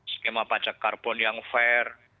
skema pajak karbon yang fair